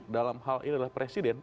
dalam hal ini adalah presiden